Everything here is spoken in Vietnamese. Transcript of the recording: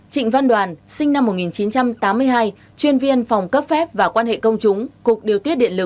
hai trịnh văn đoàn sinh năm một nghìn chín trăm tám mươi hai chuyên viên phòng cấp phép và quan hệ công chúng cục điều tiết điện